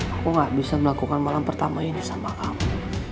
aku gak bisa melakukan malam pertama ini sama aku